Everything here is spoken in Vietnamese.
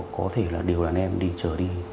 có thể là điều đàn em đi chở đi